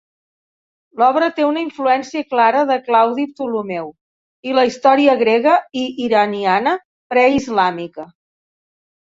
L'obra té una influència clara de Claudi Ptolemeu i la història grega i iraniana preislàmica.